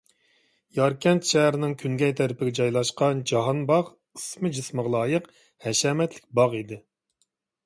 ياركەنت شەھىرىنىڭ كۈنگەي تەرىپىگە جايلاشقان جاھانباغ ئىسمى-جىسمىغا لايىق ھەشەمەتلىك باغ ئىدى.